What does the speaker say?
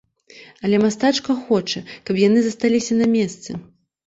Але мастачка хоча, каб яны засталіся на месцы.